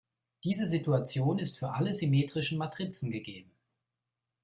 Diese Situation ist für alle symmetrischen Matrizen gegeben.